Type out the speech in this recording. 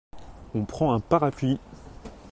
On prend un parapluie !